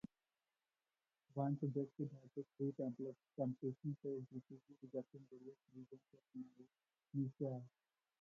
One suggests that the three temptations show Jesus rejecting various visions of the Messiah.